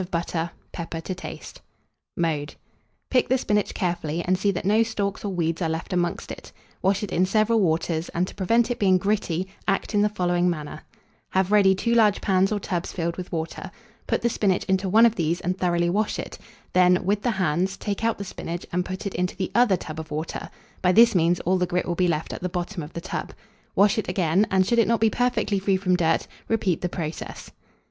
of butter, pepper to taste. [Illustration: SPINACH GARNISHED WITH CROÛTONS.] Mode. Pick the spinach carefully, and see that no stalks or weeds are left amongst it; wash it in several waters, and, to prevent it being gritty, act in the following manner: Have ready two large pans or tubs filled with water; put the spinach into one of these, and thoroughly wash it; then, with the hands, take out the spinach, and put it into the other tub of water (by this means all the grit will be left at the bottom of the tub); wash it again, and, should it not be perfectly free from dirt, repeat the process.